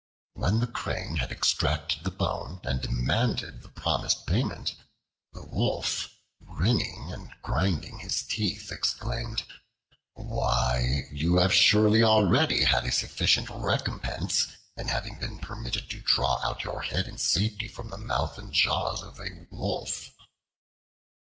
When the Crane had extracted the bone and demanded the promised payment, the Wolf, grinning and grinding his teeth, exclaimed: "Why, you have surely already had a sufficient recompense, in having been permitted to draw out your head in safety from the mouth and jaws of a wolf."